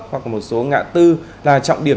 hoặc một số ngã tư là trọng điểm